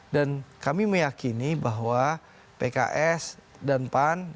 dan kami meyakini bahwa pks dan pan